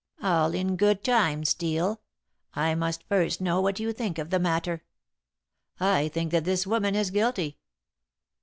"All in good time, Steel. I must first know what you think of the matter." "I think that this woman is guilty."